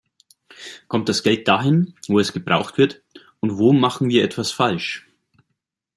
Kommt das Geld dahin, wo es gebraucht wird, und wo machen wir etwas falsch?